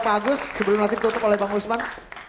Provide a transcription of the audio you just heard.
pak agus sebelum nanti ditutup oleh pak gusman